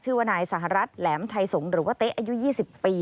ชื่อว่านายสหรัฐแหลมไทยสงฆ์หรือว่าเต๊ะอายุ๒๐ปี